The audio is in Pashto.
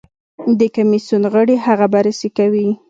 د کمېسیون غړي هغه بررسي کوي.